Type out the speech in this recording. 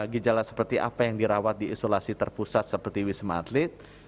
gejala seperti apa yang dirawat di isolasi terpusat seperti wisma atlet